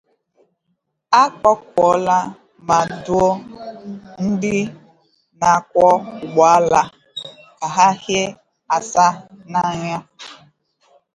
A kpọkuola ma dụọ ndị na-akwọ ụgbọala ka ha hie asaa n'anya